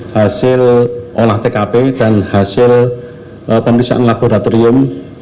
hasil olah tkp dan hasil pemeriksaan laboratorium